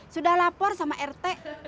sudah lapor sama rt